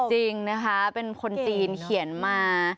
จริงนะคะเป็นคนจีนเขียนมา